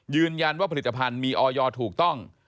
ยืนยันว่าผลิตภัณฑ์มีออยถูกต้อง